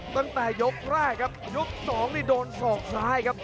ตั้งแต่ยกแรกครับยกสองนี่โดนศอกซ้ายครับ